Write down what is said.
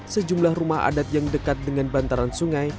sejumlah rumah adat yang dekat dengan bantaran sungai